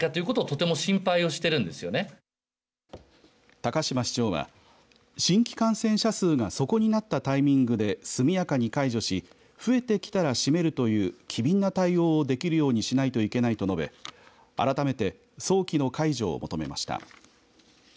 高島市長は新規感染者数が底になったタイミングで速やかに解除し増えてきたら締めるという機敏な対応をできるようにしないといけないと述べ改めて早期の解除を求めました。